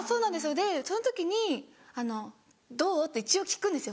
でその時に「どう？」って一応聞くんですよ。